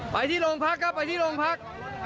ไปที่โรงพักครับไปที่โรงพัก